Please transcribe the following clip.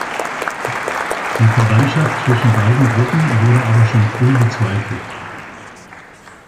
Die Verwandtschaft zwischen beiden Gruppen wurde aber schon früh bezweifelt.